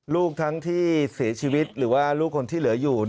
ลูกทั้งที่เสียชีวิตหรือว่าลูกคนที่เหลืออยู่